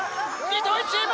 糸井チーム。